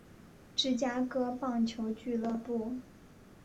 芝加哥棒球俱乐部。